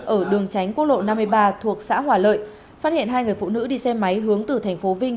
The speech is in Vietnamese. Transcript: ở đường tránh quốc lộ năm mươi ba thuộc xã hòa lợi phát hiện hai người phụ nữ đi xe máy hướng từ thành phố vinh